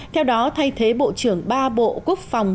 theo đó thay thế bộ trưởng ba bộ quốc phòng